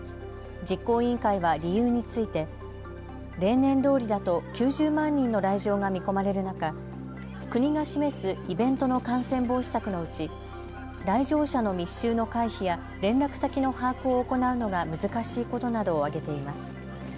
実行委員会は理由について例年どおりだと９０万人の来場が見込まれる中、国が示すイベントの感染防止策のうち来場者の密集の回避や連絡先の把握を行うのが難しいことなどを挙げています。